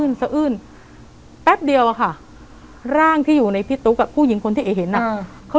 หึหึหึหึหึ